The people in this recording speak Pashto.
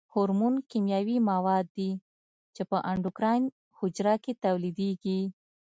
هورمون کیمیاوي مواد دي چې په اندوکراین حجرو کې تولیدیږي.